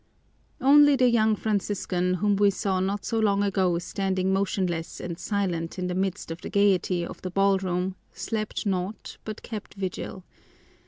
Only the young Franciscan whom we saw not so long ago standing motionless and silent in the midst of the gaiety of the ballroom slept not, but kept vigil.